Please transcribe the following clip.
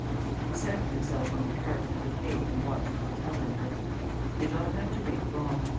He settled himself on the parapet of the Quai and watched the hotel entrance. He did not have to wait long.